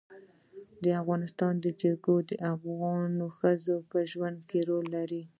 د افغانستان جلکو د افغان ښځو په ژوند کې رول لري.